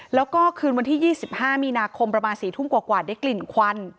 แล้วก็คืนวันที่๒๕มีนาคมประมาณ๔ทุ่มกว่าได้กลิ่นควัน